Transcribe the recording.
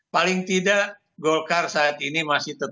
paling tidak golkar saat ini masih tetap